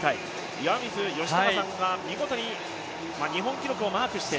岩水嘉孝さんが見事に日本記録をマークして。